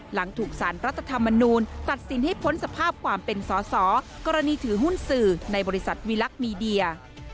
หลังถูกสารรัฐธรรมนูลตัดสินให้พ้นสภาพความเป็นสอสอกรณีถือหุ้นสื่อในบริษัทวิลักษณ์มีเดีย